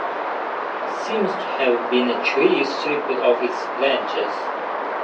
It seems to have been a tree stripped of its branches.